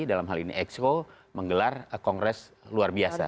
dalam hal ini exco menggelar kongres luar biasa